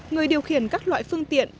người điều khiển các loại phương tiện